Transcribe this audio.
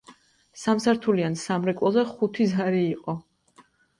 სამსართულიან სამრეკლოზე ხუთი ზარი იყო.